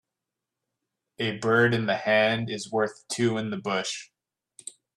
A bird in the hand is worth two in the bush.